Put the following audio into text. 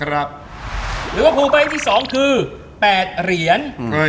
ริเวอร์ภูทร์ใบที่๒คือ๘เหรียญ